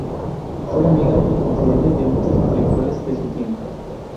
Fue amiga y confidente de muchos intelectuales de su tiempo.